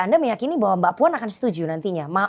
anda meyakini bahwa mbak puan akan setuju nantinya